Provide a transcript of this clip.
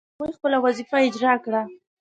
هغوی خپله وظیفه اجرا کړه.